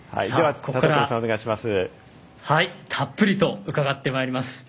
ここからたっぷりと伺ってまいります。